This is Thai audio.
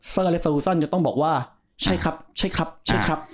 เลอร์และฟาวูซันจะต้องบอกว่าใช่ครับใช่ครับใช่ครับ